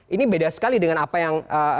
ini beda sekali dengan apa yang